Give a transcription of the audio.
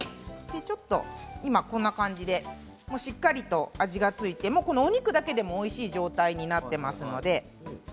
今こんな感じでしっかりと味が付いてお肉だけでもおいしい状態になっています。